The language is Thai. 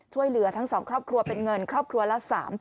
ช่วยเหลือทั้งสองครอบครัวเป็นเงินครอบครัวละ๓๐๐๐